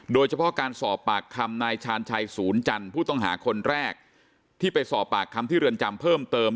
โดยเฉพาะการสอบปากคำนายชาญชัยศูนย์จันทร์ผู้ต้องหาคนแรกที่ไปสอบปากคำที่เรือนจำเพิ่มเติม